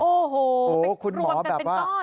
โอ้โหเป็นกรวดแต่เป็นก้อนคุณหมอแบบว่า